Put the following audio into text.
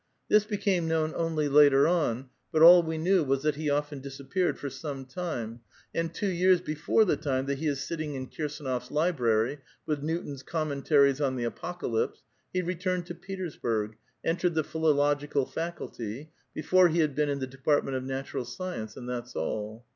This became liuown only later on, but all we knew was that he often disappeared for some time, and two years before the time that he is sitting in Kirsdnof's librarv, with Newton's " Commentaries on the A.pocalypse," he returned to Petersburg, entered the philo logical faculty ; before he had been in the department of natural science, and that's all.